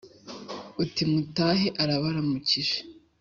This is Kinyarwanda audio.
Uti mutahe arabaramukije